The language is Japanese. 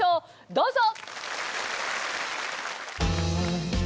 どうぞ！